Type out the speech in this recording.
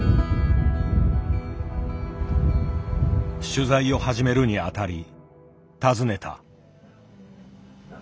取材を始めるにあたり尋ねた。